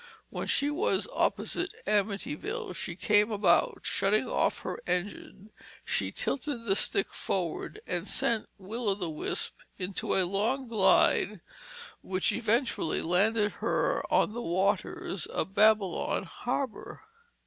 When she was opposite Amityville, she came about. Shutting off her engine, she tilted the stick forward and sent Will o' the Wisp into a long glide which eventually landed her on the waters of Babylon harbor.